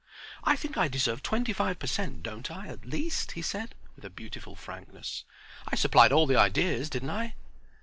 "I think I deserve twenty five per cent., don't I, at least," he said, with beautiful frankness. "I supplied all the ideas, didn't I?"